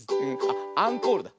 あっアンコールだ。